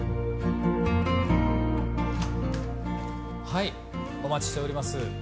はいお待ちしております